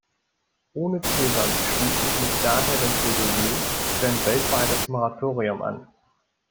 Ohne Zögern schließe ich mich daher dem Plädoyer für ein weltweites Moratorium an.